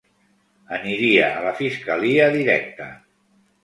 Aniria a la fiscalia directe.